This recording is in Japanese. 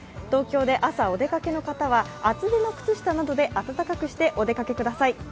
東京で朝、お出かけの方は厚手の靴下などで暖かくしてお出かけください。